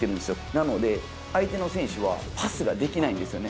なので、相手の選手はパスができないんですよね。